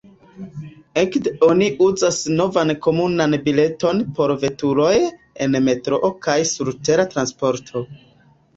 Ekde oni uzas novan komunan bileton por veturoj en metroo kaj surtera transporto.